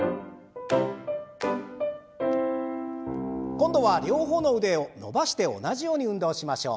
今度は両方の腕を伸ばして同じように運動をしましょう。